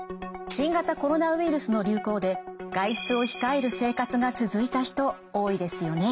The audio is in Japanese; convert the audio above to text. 新型コロナウイルスの流行で外出を控える生活が続いた人多いですよね。